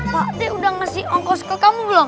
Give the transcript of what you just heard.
pak dia udah ngasih ongkos ke kamu belum